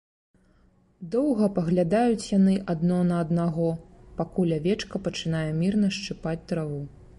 Доўга паглядаюць яны адно на аднаго, пакуль авечка пачынае мірна шчыпаць траву.